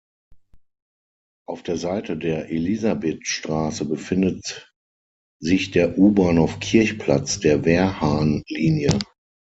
Auf der Seite der Elisabethstraße befindet sich der U-Bahnhof „Kirchplatz“ der Wehrhahn-Linie.